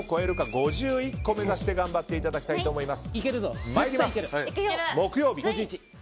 ５１個を目指して頑張っていただきたいと思います。